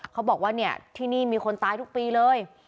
เขาบอกว่าเนี่ยที่นี่มีคนตายทุกปีเลย